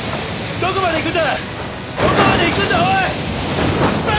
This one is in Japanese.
どこまで行くんだおい！